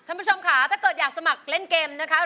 คุณผู้ชมค่ะถ้าเกิดอยากสมัครเล่นเกมนะคะ